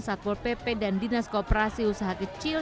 satpol pp dan dinas koperasi usaha kecil